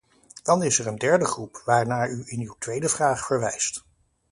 Dan is er een derde groep, waarnaar u in uw tweede vraag verwijst.